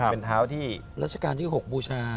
ผ้านที่ราชการที่หกท์บูชา